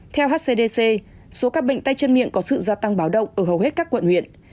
theo hcdc số các bệnh tay chân miệng có sự gia tăng báo động ở hầu hết các quận huyện